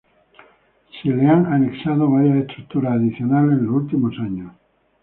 Se le han anexado varias estructuras adicionales en los últimos años.